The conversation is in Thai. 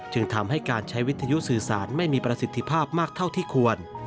จึงทำให้การใช้วิทยุสื่อสารไม่มีประสิทธิภาพมากเท่าที่ควร